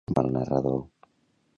Què afirma el narrador?